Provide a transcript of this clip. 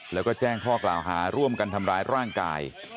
แล้วก็แจ้งข้อกล่าวหาร่วมกันทำร้ายร่างกาย